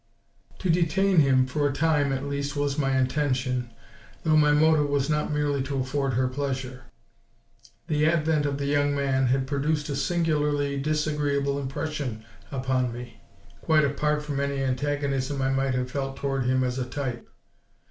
To detain him, for a time at least, was my intention, though my motive was not merely to afford her pleasure. The advent of the young man had produced a singularly disagreeable impression upon me, quite apart from any antagonism I might have felt toward him as a type.